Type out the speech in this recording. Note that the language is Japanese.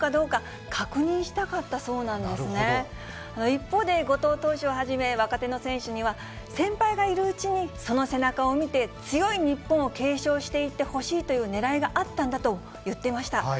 一方で、後藤投手をはじめ、若手の選手には、先輩がいるうちに、その背中を見て、強い日本を継承していってほしいというねらいがあったんだと言っていました。